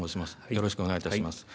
よろしくお願いします。